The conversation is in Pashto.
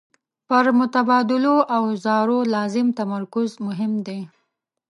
پر متبادلو اوزارو لازم تمرکز مهم دی.